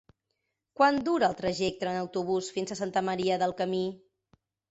Quant dura el trajecte en autobús fins a Santa Maria del Camí?